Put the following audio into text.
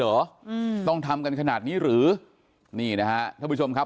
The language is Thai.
อืมต้องทำกันขนาดนี้หรือนี่นะฮะท่านผู้ชมครับ